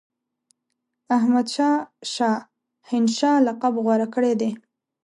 احمدشاه شاه هنشاه لقب غوره کړی دی.